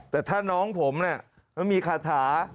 แต่ถ้าน้องผมเนี่ยมันมีขาดหา